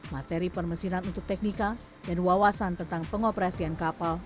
materi permesinan untuk teknika dan wawasan tentang pengoperasian kapal